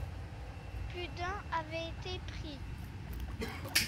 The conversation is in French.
Plus d’un avait été pris.